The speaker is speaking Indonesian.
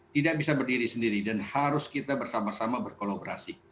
tidak bisa berdiri sendiri dan harus kita bersama sama berkolaborasi